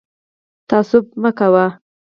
تعصب مه کوئ